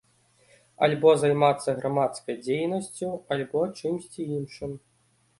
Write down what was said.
Альбо займацца грамадскай дзейнасцю, альбо чымсьці іншым.